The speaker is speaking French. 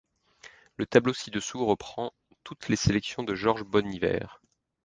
Le tableau ci-dessous reprend toutes les sélections de Georges Bonhivers.